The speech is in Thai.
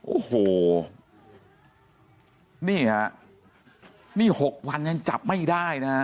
โอ้โหนี่ฮะนี่๖วันยังจับไม่ได้นะฮะ